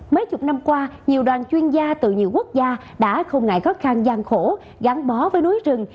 mấy chục năm qua nhiều đoàn chuyên gia từ nhiều quốc gia đã không ngại khó khăn gian khổ gắn bó với núi rừng